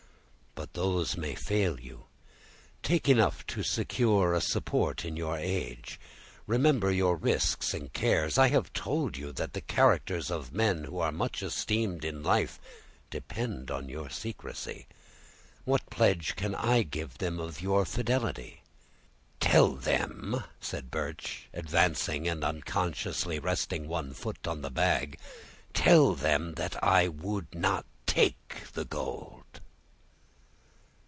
"But those may fail you; take enough to secure a support to your age. Remember your risks and cares. I have told you that the characters of men who are much esteemed in life depend on your secrecy; what pledge can I give them of your fidelity?" "Tell them," said Birch, advancing and unconsciously resting one foot on the bag, "tell them that I would not take the gold!"